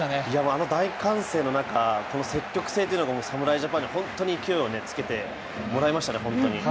あの大歓声の中積極性が侍ジャパンに本当に勢いをつけてもらいましたね。